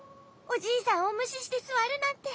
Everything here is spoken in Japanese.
おじいさんをむししてすわるなんて。